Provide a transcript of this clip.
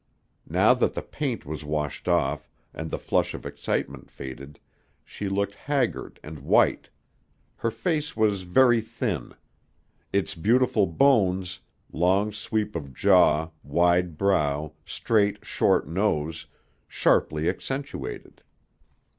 Now that the paint was washed off, and the flush of excitement faded, she looked haggard and white. Her face was very thin, its beautiful bones long sweep of jaw, wide brow, straight, short nose sharply accentuated.